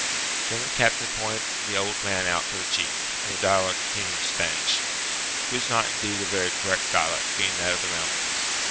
Then the captain pointed the old man out to the chief, and the dialogue continued in Spanish; it was not, indeed, a very correct dialect, being that of the mountains.